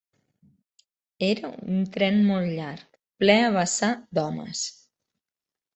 Era un tren molt llarg, ple a vessar d'homes